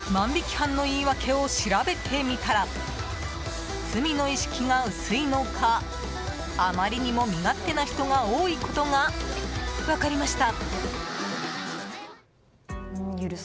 ということで、スーパーで万引き犯の言い訳を調べてみたら罪の意識が薄いのかあまりにも身勝手な人が多いことが分かりました。